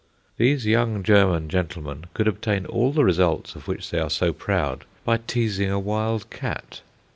These young German gentlemen could obtain all the results of which they are so proud by teasing a wild cat!